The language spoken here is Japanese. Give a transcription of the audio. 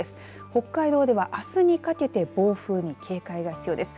北海道では、あすにかけて暴風に警戒が必要です。